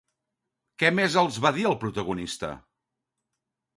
Què més els va dir el protagonista?